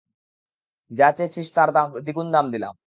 যা চেয়েছিস তার দ্বিগুণ দিলাম।